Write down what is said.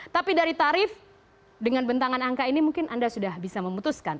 tapi dari tarif dengan bentangan angka ini mungkin anda sudah bisa memutuskan